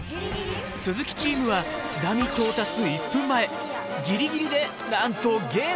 鈴木チームは津波到達１分前ギリギリでなんとゲームクリア！